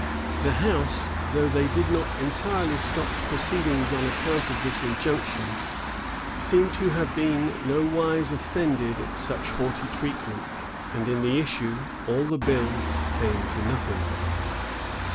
[*] The house, though they did not entirely stop proceedings on account of this injunction, seem to have been nowise offended at such haughty treatment; and in the issue, all the bills came to nothing.